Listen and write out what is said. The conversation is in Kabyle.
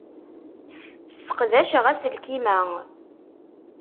Sseqdaceɣ aselkim-a.